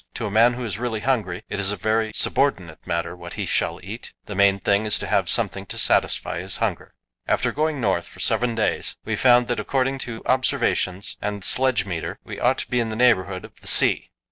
To a man who is really hungry it is a very subordinate matter what he shall eat; the main thing is to have something to satisfy his hunger. After going north for seven days, we found that according to observations and sledge meter we ought to be in the neighbourhood of the sea.